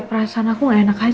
perasaan aku gak enak aja sih